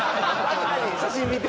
写真見て。